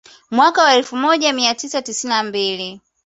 Mwaka wa elfu moja mia tisa tisini na mbili